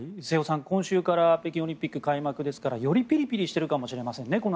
瀬尾さん、今週から北京オリンピック開幕ですからよりピリピリしてるかもしれませんね。